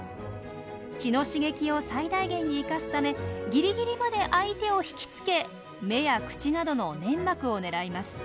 血の刺激を最大限に生かすためギリギリまで相手を引きつけ目や口などの粘膜を狙います。